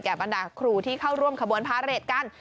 บรรดาครูที่เข้าร่วมขบวนพาเรทกัน